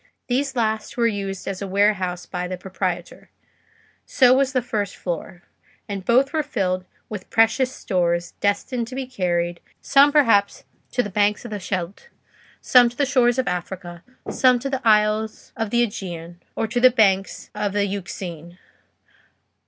These last were used as a warehouse by the proprietor; so was the first floor; and both were filled with precious stores, destined to be carried, some perhaps to the banks of the Scheldt, some to the shores of Africa, some to the isles of the Aegean, or to the banks of the Euxine.